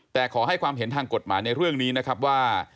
แต่ขอให้ความเห็นทางกฎหมายในเรื่องนี้นะครับว่า